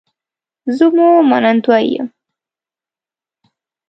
زه مو منندوی یم